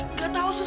nggak tahu sus